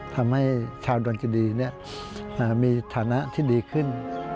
ทำให้ชาวดนจิดีมีฐานะที่ดีขึ้น